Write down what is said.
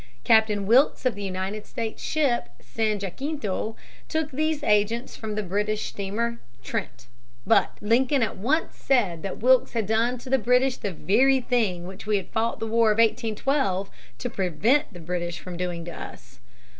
Captain Wilkes of the United States ship San Jacinto took these agents from the British steamer Trent. But Lincoln at once said that Wilkes had done to the British the very thing which we had fought the War of 1812 to prevent the British doing to us.